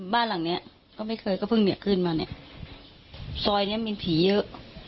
บ้านหลังเนี้ยก็ไม่เคยก็เพิ่งเนี่ยขึ้นมาเนี่ยซอยเนี้ยมีผีเยอะ